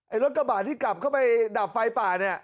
ไอ้รถกระบะที่กลับเข้าไปดับไฟป่า